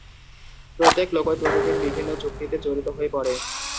প্রত্যেক লোকই প্রতিদিন বিভিন্ন চুক্তিতে জড়িত হয়ে পড়ে।